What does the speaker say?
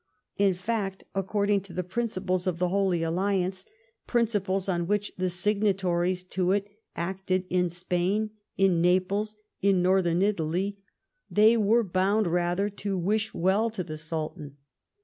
In fact, according to the principles of the Holy Alliance — principles on which the signatories to it acted in Spain, in Naples, in Northern Italy — they were bound rather to wish well to the Sultan.